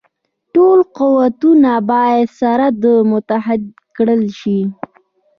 ټول قوتونه باید سره متحد کړه شي.